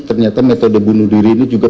ternyata metode bunuh diri ini juga